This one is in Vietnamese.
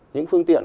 những phương tiện